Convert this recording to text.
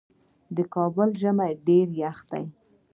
د کابل ژمی ډیر یخ دی